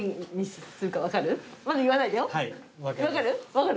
分かる？